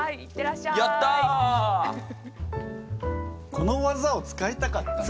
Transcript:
この技を使いたかったんです。